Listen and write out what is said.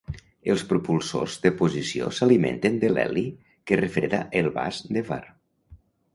Els propulsors de posició s'alimenten de l'heli que refreda el vas Dewar.